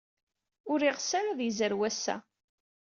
Ur yeɣs ara ad yezrew ass-a.